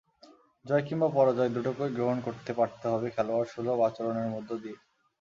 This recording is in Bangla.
জয় কিংবা পরাজয় দুটোকেই গ্রহণ করতে পারতে হবে খেলোয়াড়সুলভ আচরণের মধ্য দিয়ে।